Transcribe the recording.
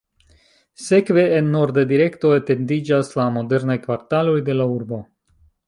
Sekve, en norda direkto, etendiĝas la modernaj kvartaloj de la urbo.